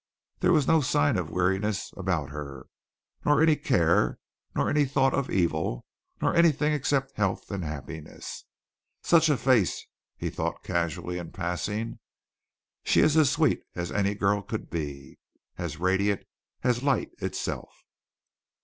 There was no sign of weariness about her, nor any care, nor any thought of evil, nor anything except health and happiness. "Such a face!" he thought casually in passing. "She is as sweet as any girl could be. As radiant as light itself."